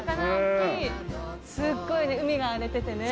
すっごいね海が荒れててね。